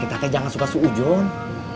kita jangan suka seujung